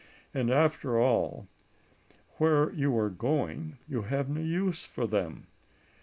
And, after all, where you are going you have no use for them.